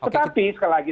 tetapi sekali lagi